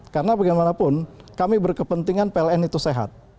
karena bagaimanapun kami berkepentingan pln itu sehat